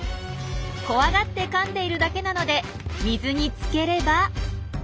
怖がってかんでいるだけなので水につければ。